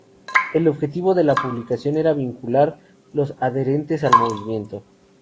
El objetivo de la publicación era vincular a los adherentes al movimiento.